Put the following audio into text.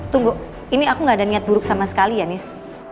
tunggu ini aku gak ada niat buruk sama sekali ya nis